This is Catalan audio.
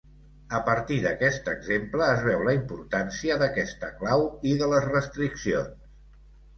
A partir d'aquest exemple es veu la importància d'aquesta clau i de les restriccions.